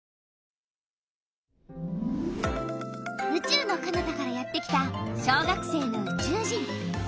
うちゅうのかなたからやってきた小学生のうちゅう人！